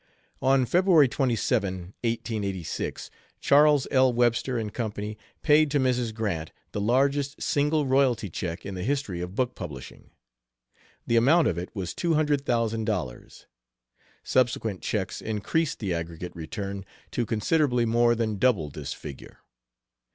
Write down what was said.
On February 27, 1886, Charles L. Webster & Co. paid to Mrs. Grant the largest single royalty check in the history of book publishing. The amount of it was two hundred thousand dollars. Subsequent checks increased the aggregate return to considerably more than double this figure.